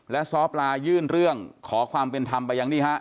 และซ้อปลายื่นเรื่องขอความเป็นธรรมไปยังนี่ฮะ